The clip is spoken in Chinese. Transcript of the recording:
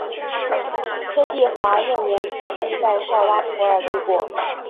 柯棣华幼年基本在绍拉普尔度过。